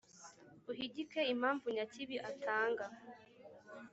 uhigike impamvu nyakibi atanga